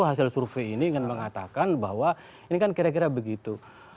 hasil survei ini kan mengatakan bahwa ini kan kira kira begitu